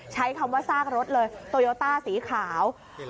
ใช้คำว่าซากรถเลยโตโยต้าสีขาว